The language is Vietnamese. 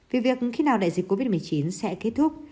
vì việc khi nào đại dịch covid một mươi chín sẽ kết thúc